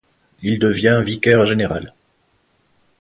Il devient vicaire général.